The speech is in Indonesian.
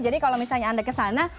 jadi kalau misalnya anda ke sana